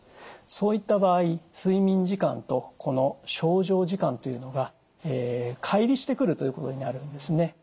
そういった場合睡眠時間とこの床上時間というのがかい離してくるということになるんですね。